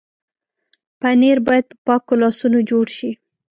پنېر باید په پاکو لاسونو جوړ شي.